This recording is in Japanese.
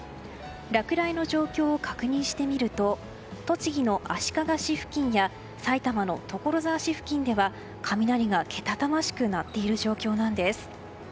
落雷の状況を確認してみると栃木の足利市付近や埼玉の所沢市付近では雷がけたたましく鳴っている状況なんです。